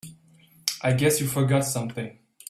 I guess you forgot something.